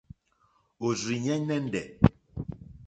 Òrzìɲɛ́ nɛ́ndɛ̀.